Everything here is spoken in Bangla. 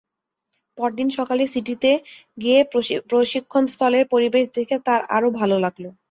পরদিন সকালে সিটিতে গিয়ে প্রশিক্ষণস্থলের পরিবেশ দেখে তার আরও ভালো লাগল।